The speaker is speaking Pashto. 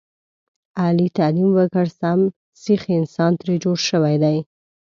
علي تعلیم وکړ سم سیخ انسان ترې جوړ شوی دی.